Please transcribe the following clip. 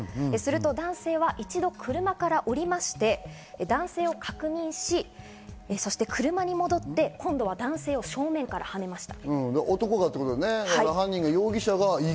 男は一度、車から降りて男性を確認し、車に戻って今度は男性を正面からはねました。